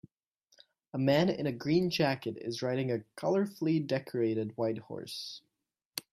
A man in a green jacket is riding a colorfully decorated white horse.